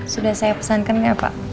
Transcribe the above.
sudah saya pesankan nggak pak